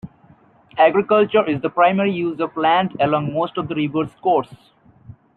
Agriculture is the primary use of land along most of the river's course.